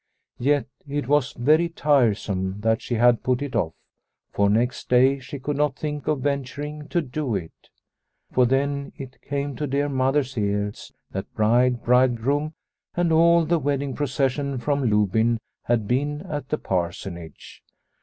Yet it was very tiresome that she had put it off, for next day she could not think of venturing to do it. For then it came to dear Mother's ears that bride, bridegroom, and all the wedding procession from Lobyn 126 The Silver Thaler 127 had been at the Parsonage.